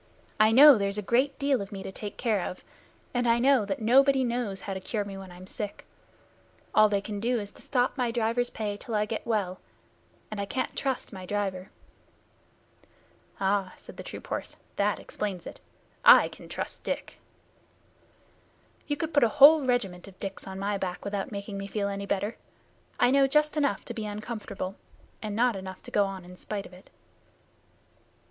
I know there's a great deal of me to take care of, and I know that nobody knows how to cure me when I'm sick. All they can do is to stop my driver's pay till I get well, and I can't trust my driver." "Ah!" said the troop horse. "That explains it. I can trust Dick." "You could put a whole regiment of Dicks on my back without making me feel any better. I know just enough to be uncomfortable, and not enough to go on in spite of it."